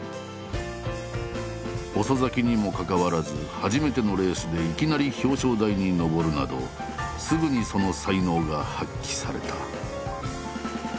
遅咲きにもかかわらず初めてのレースでいきなり表彰台にのぼるなどすぐにその才能が発揮された。